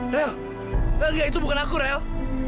rael itu bukan aku rael